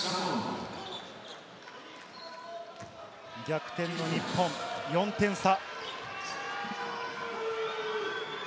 逆転の日本、４点差。